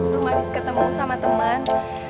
belum habis ketemu sama teman